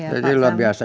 jadi luar biasa